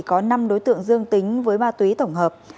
có năm đối tượng dương tính với ma túy tổng hợp